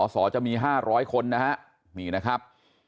สอจะมี๕๐๐คนนะฮะนี่นะครับ